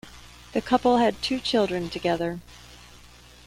The couple had two children together.